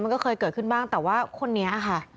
เคยเกิดขึ้นบ้างแต่ว่าคนนี้ค่ะ